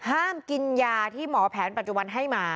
ห้ามกินยาที่หมอแผนปัจจุบันให้มา